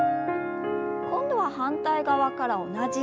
今度は反対側から同じように。